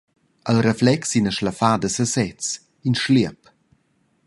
Il reflex ina slaffada a sesez, in schliep.